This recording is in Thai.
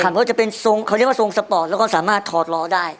ครับเขาเรียกว่าทรงสปอร์ทแล้วก็สามารถถอดล้อได้